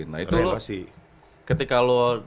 nah itu ketika lu